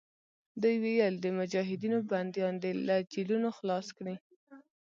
دوی ویل د مجاهدینو بندیان دې له جېلونو خلاص کړي.